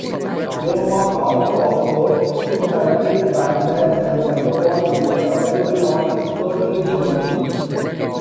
Domark also offered two titles, "Badlands" and "Cyberball", which were available on cartridge only.